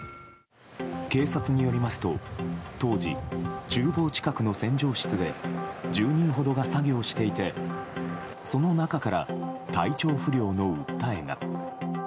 警察によりますと当時、厨房近くの洗浄室で１０人ほどが作業していてその中から体調不良の訴えが。